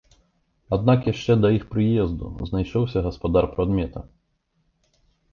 Аднак яшчэ да іх прыезду знайшоўся гаспадар прадмета.